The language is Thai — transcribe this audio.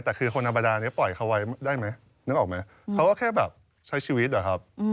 แต่คือคนธรรมดานี้ปล่อยเขาไว้ได้ไหมนึกออกไหมเขาก็แค่แบบใช้ชีวิตอะครับ